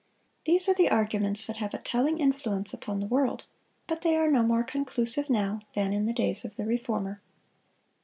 These are the arguments that have a telling influence upon the world; but they are no more conclusive now than in the days of the Reformer.